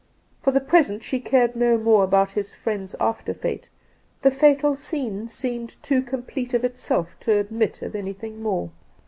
For the present she cared no more about his friend's after fate — the fatal scene seemed too complete of itself to admit of anything more.